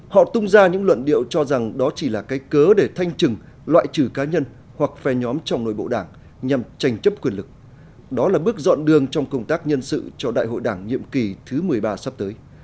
họ tung ra những luận điệu cho rằng đó chỉ là cái cớ để thanh trừng loại trừ cá nhân hoặc phe nhóm trong nội bộ đảng nhằm tranh chấp quyền lực đó là bước dọn đường trong công tác nhân sự cho đại hội đảng nhiệm kỳ thứ một mươi ba sắp tới